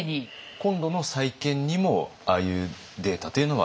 今度の再建にもああいうデータというのは生かされる？